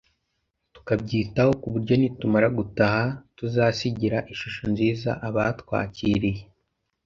tukabyitaho ku buryo nitumara gutaha tuzasigira ishusho nziza abatwakiriye